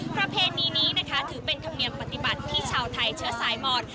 ประเพณีนี้นะคะถือเป็นธรรมเนียมปฏิบัติที่ชาวไทยเชื้อสายมอน